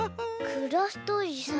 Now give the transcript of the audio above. クラフトおじさん。